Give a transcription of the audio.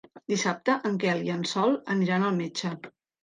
Dissabte en Quel i en Sol aniran al metge.